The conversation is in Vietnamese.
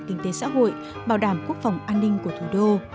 kinh tế xã hội bảo đảm quốc phòng an ninh của thủ đô